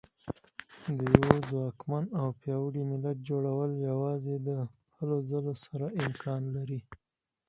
د یوه ځواکمن او پیاوړي ملت جوړول یوازې د هلو ځلو سره امکان لري.